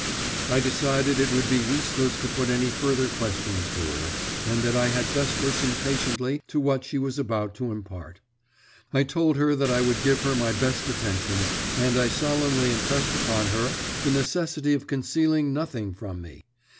I decided that it would be useless to put any further questions to her, and that I had best listen patiently to what she was about to impart. I told her that I would give her my best attention, and I solemnly impressed upon her the necessity of concealing nothing from me.